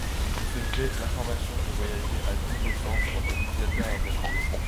De ce fait, l'information peut voyager à double sens entre l'utilisateur et l'emplacement distant.